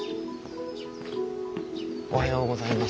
おはようございます。